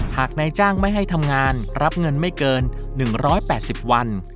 หากนายจ้างไม่ให้ทำงานรับเงินไม่เกิน๑๘๐วัน